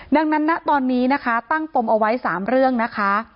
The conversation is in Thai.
ดังนั้นณตอนนี้นะคะตั้งปมเอาไว้๓เรื่องนะคะ